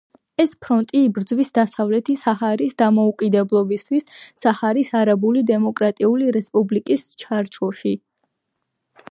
ეს ფრონტი იბრძვის დასავლეთი საჰარის დამოუკიდებლობისთვის, საჰარის არაბული დემოკრატიული რესპუბლიკის ჩარჩოში.